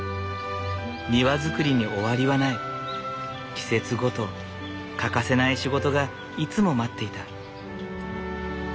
季節ごと欠かせない仕事がいつも待っていた。